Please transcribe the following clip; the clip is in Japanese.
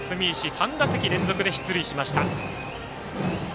３打席連続で出塁しました。